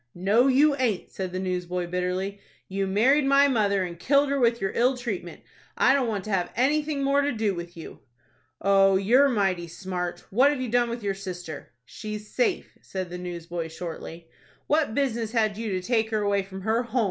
"No, you aint," said the newsboy, bitterly. "You married my mother, and killed her with your ill treatment. I don't want to have anything more to do with you." "Oh, you're mighty smart. What have you done with your sister?" "She's safe," said the newsboy, shortly. "What business had you to take her away from her home?"